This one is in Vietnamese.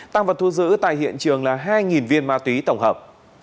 tăng vật thu giữ tại hiện trường là hai viên ma túy tổng hợp